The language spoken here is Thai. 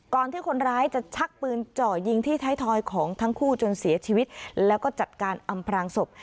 ที่คนร้ายจะชักปืนเจาะยิงที่ท้ายทอยของทั้งคู่จนเสียชีวิตแล้วก็จัดการอำพรางศพ